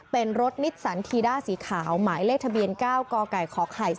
เป็นรถนิสสันทีด้าสีขาวหมายเลขทะเบียน๙กไก่ขไข่๔